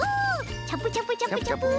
チャプチャプチャプチャプ。